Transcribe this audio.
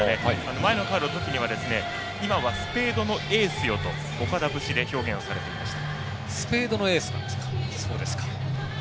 前のカードでは今はスペードのエースというふうに岡田節で表現されていました。